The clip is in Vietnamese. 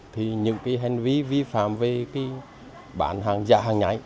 thì những cái hành vi vi phạm về bản hàng dạ hàng nháy